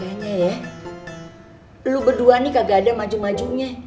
makanya ya lo berdua nih kagak ada maju majunya